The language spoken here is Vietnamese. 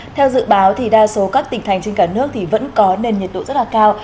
theo dự báo thì đa số các tỉnh thành trên cả nước vẫn có nền nhiệt độ rất là cao